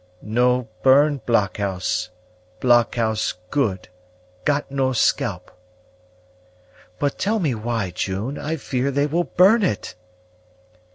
"No burn blockhouse. Blockhouse good; got no scalp." "But tell me why, June; I fear they will burn it."